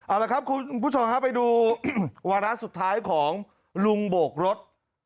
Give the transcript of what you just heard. เอาละครับคุณผู้ชมครับไปดูวาระสุดท้ายของลุงโบกรถ